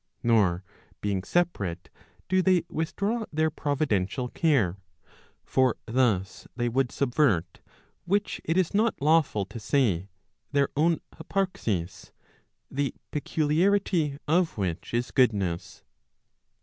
Nor being separate, do they withdraw their providential care. For thus they would subvert, which it is not lawful to say, their own hyparxis, the peculiarity of which is goodness.